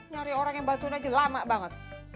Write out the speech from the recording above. nyari orang yang batu aja lama banget